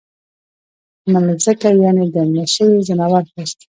مړزګه یعنی د مړه شوي ځناور پوست